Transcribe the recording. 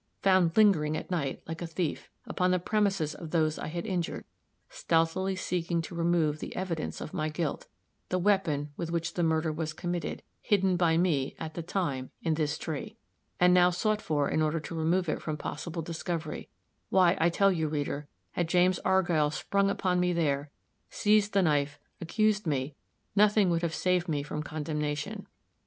Found lingering at night, like a thief, upon the premises of those I had injured; stealthily seeking to remove the evidence of my guilt the weapon with which the murder was committed, hidden by me, at the time, in this tree, and now sought for in order to remove it from possible discovery why, I tell you, reader, had James Argyll sprung upon me there, seized the knife, accused me, nothing would have saved me from condemnation.